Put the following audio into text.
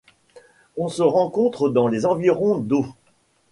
Elle se rencontre dans les environs d'Aus.